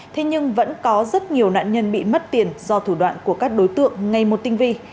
thế nhưng vẫn có rất nhiều nạn nhân bị mất tiền do thủ đoạn của các đối tượng ngay một tinh vi